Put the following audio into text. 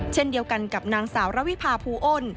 เช่นเดียวกันกับนางสาวระวิพาภูอ้น